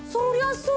そう。